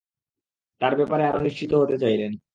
তার ব্যাপারে আরো নিশ্চিত হতে চাইলেন।